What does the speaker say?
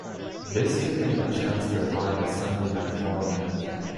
This gave him the chance to revive his Sunday night format.